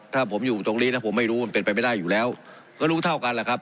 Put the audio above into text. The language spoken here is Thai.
ถ้าผมอยู่ตรงนี้นะผมไม่รู้มันเป็นไปไม่ได้อยู่แล้วก็รู้เท่ากันแหละครับ